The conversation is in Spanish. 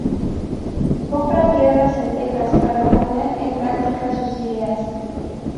Compra tierras en Texas para poner en práctica sus ideas.